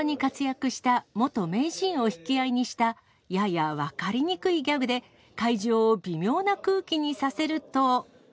昭和に活躍した元名人を引き合いにしたやや分かりにくいギャグで会場を微妙な空気にさせると。